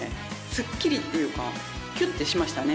スッキリっていうかキュってしましたね。